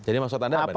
jadi maksud anda apa